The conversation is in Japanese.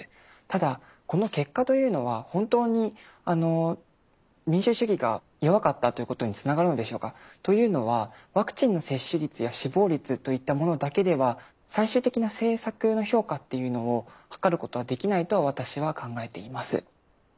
ただこの結果というのは本当に民主主義が弱かったということにつながるのでしょうか？というのはワクチンの接種率や死亡率といったものだけでは最終的な政策の評価っていうのをはかることはできないと私は考えています。